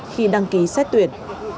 khi đăng ký xét tuyển